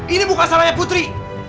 ini bukan salahnya putri